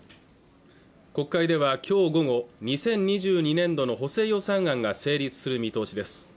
国会ではきょう午後２０２２年度の補正予算案が成立する見通しです